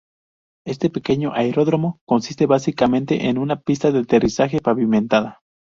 Este pequeño aeródromo consiste básicamente en una pista de aterrizaje pavimentada.